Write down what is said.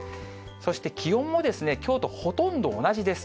そして気温はですね、きょうとほとんど同じです。